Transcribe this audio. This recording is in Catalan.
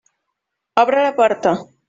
Obre la porta!